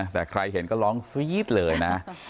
แต่ใครเห็นก็ร้องซี๊ดเลยนะ